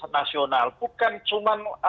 nasional bukan cuma